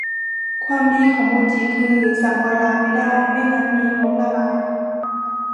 ความดีของมูจิคือสั่งออนไลน์ไม่ได้ ไม่งั้นมีล้มละลาย